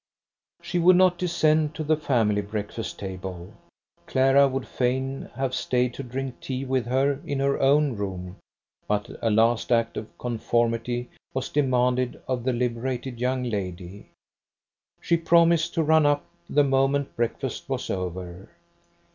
She would not descend to the family breakfast table. Clara would fain have stayed to drink tea with her in her own room, but a last act of conformity was demanded of the liberated young lady. She promised to run up the moment breakfast was over.